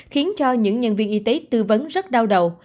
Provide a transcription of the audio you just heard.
khiến cho những nhân viên y tế tư vấn rất đau đầu